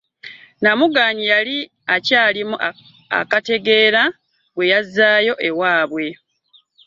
Nnamugaanyi eyali akyalimu akategeera gwe yazzaayo ewaabwe.